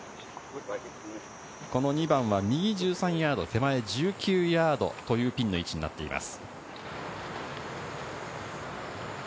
この２番は右１３ヤード、手前１９ヤードというピンの位置になっています。